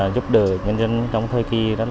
giúp đỡ nhân dân trong thời kỳ